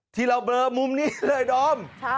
ที่เราเบลอมุมนี้เลยดอม